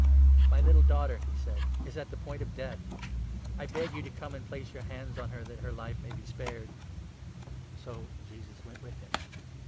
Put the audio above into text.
23 " My little daughter," he said, " is at the point of death ; I 14 MARK, 6. beg you to come and place your hands on her, that her life may be spared. " So Jesus went with him.